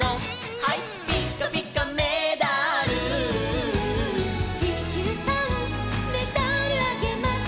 「ピッカピカメダル」「ちきゅうさんメダルあげます」